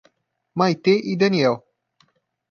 Maitê e Daniel